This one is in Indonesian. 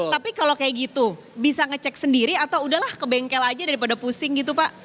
tapi kalau kayak gitu bisa ngecek sendiri atau udahlah ke bengkel aja daripada pusing gitu pak